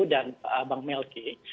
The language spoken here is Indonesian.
dan pak abang melki